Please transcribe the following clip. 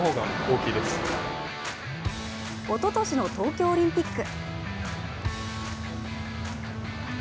おととしの東京オリンピック。